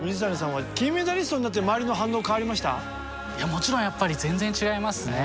もちろんやっぱり全然違いますね。